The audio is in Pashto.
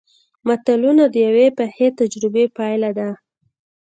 متلونه د یوې پخې تجربې پایله ده